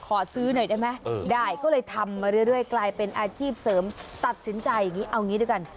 ขอซื้อหน่อยได้ไหมได้ก็เลยทำมาเรื่อยกลายเป็นอาชีพเสริมตัดสินใจอย่างนี้เอางี้ด้วยกัน